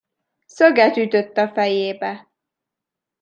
Szöget ütött a fejébe.